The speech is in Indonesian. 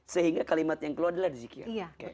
makanya ketiga kalimat yang keluar adalah zikir